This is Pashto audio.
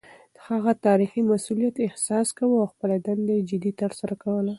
هغه د تاريخي مسووليت احساس کاوه او خپله دنده يې جدي ترسره کوله.